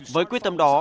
với quyết tâm đó